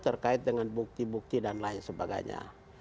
terkait dengan bukti bukti dan lain sebagainya